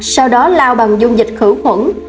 sau đó lao bằng dung dịch khử khuẩn